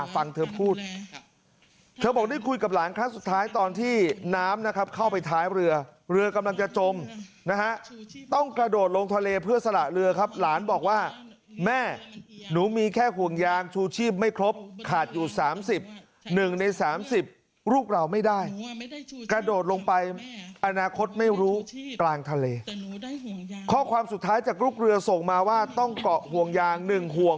ฟังเธอพูดเธอบอกได้คุยกับหลานครั้งสุดท้ายตอนที่น้ำนะครับเข้าไปท้ายเรือเรือกำลังจะจมนะฮะต้องกระโดดลงทะเลเพื่อสละเรือครับหลานบอกว่าแม่หนูมีแค่ห่วงยางชูชีพไม่ครบขาดอยู่๓๐๑ใน๓๐ลูกเราไม่ได้กระโดดลงไปอนาคตไม่รู้กลางทะเลข้อความสุดท้ายจากลูกเรือส่งมาว่าต้องเกาะห่วงยางหนึ่งห่วง